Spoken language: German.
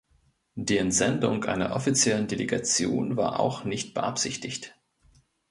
Die Entsendung einer offiziellen Delegation war auch nicht beabsichtigt.